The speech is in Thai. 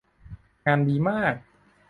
งานดีมาก